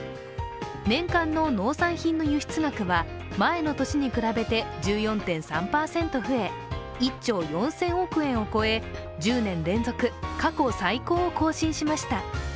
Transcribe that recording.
年間の農産品の輸出額は前の年に比べ１４．３％増え、１兆４０００億円を超え１０年連続、過去最高を更新しました。